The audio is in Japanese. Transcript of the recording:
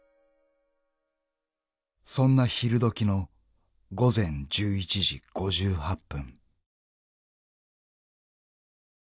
［そんな昼時の午前１１時５８分］